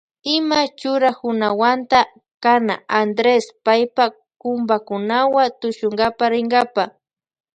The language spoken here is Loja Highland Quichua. Ima churakunawanta kana Andres paypa kumpakunawa tushunkapa rinkapa.